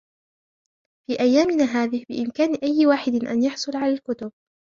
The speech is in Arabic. في أيامنا هذه، بإمكان أي واحد أن يحصل على الكتب.